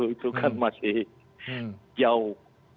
itu kan masih jauh